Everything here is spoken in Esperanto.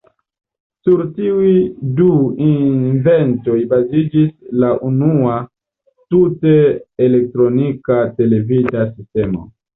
Sur tiuj du inventoj baziĝis la unua tute elektronika televida sistemo.